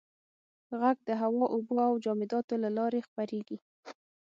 • ږغ د هوا، اوبو او جامداتو له لارې خپرېږي.